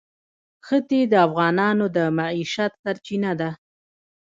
ښتې د افغانانو د معیشت سرچینه ده.